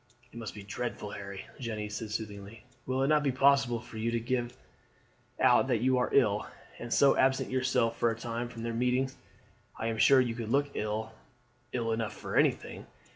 "It must be dreadful, Harry," Jeanne said soothingly. "Will it not be possible for you to give out that you are ill, and so absent yourself for a time from their meetings? I am sure you look ill ill enough for anything.